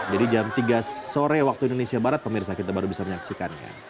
jadi jam tiga sore waktu indonesia barat pemirsa kita baru bisa menyaksikan ya